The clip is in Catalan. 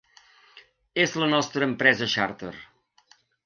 És la nostra empresa xàrter.